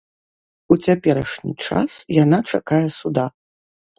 У цяперашні час яна чакае суда.